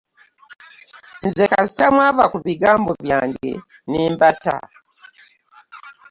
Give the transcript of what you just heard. Nze kasita mwava ku bigambo byange ne mbata.